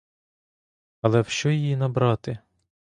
Але в що її набрати?